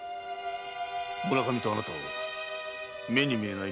村上とあなたを目に見えない